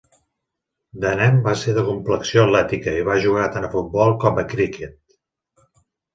De nen va ser de complexió atlètica, i va jugar tant a futbol com a criquet.